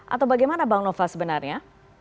atau bagaimana bang nova sebenarnya